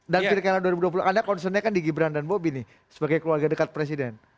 dalam pilkada dua ribu dua puluh anda concern nya kan di gibran dan bobby nih sebagai keluarga dekat presiden